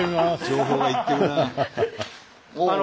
情報がいってるなあ。